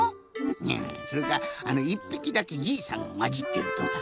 うんそれか１ぴきだけじいさんがまじってるとか。